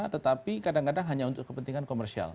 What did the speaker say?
tetapi kadang kadang hanya untuk kepentingan komersial